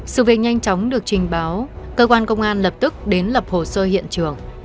sự việc nhanh chóng được trình báo cơ quan công an lập tức đến lập hồ sơ hiện trường